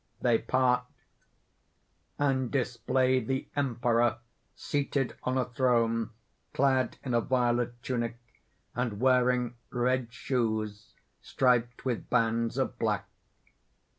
They part, and display the Emperor seated on a throne, clad in a violet tunic, and wearing red shoes striped with bands of black.